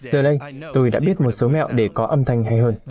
từ đây tôi đã biết một số mẹo để có âm thanh hay hơn